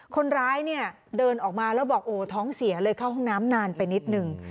คนร้ายเนี่ยเดินออกมาแล้วบอกโอ้ท้องเสียเลยเข้าห้องน้ำนานไปนิดนึง